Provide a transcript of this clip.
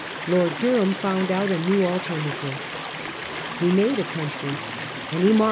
Lord Durham found out a new alternative. He made a country and he marred a 1838.